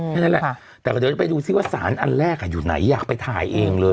แค่นั้นแหละแต่เดี๋ยวจะไปดูซิว่าสารอันแรกอยู่ไหนอยากไปถ่ายเองเลย